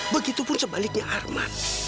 begitupun sebaliknya arman